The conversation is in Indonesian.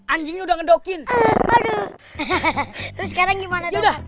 anjing udah ngedokin sekarang gimana